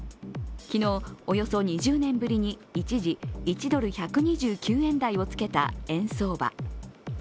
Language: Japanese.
昨日、およそ２０年ぶりに一時、１ドル＝１２９円台をつけた円相場。